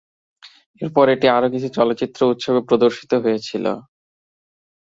এরপর এটি আরো কিছু চলচ্চিত্র উৎসবে প্রদর্শিত হয়েছিল।